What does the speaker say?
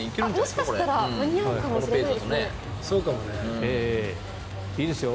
もしかしたら間に合うかもしれないですね。